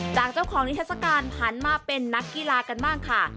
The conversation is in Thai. จากเจ้าของนิทัศกาลหันมาเป็นนักกีฬากันบ้างค่ะ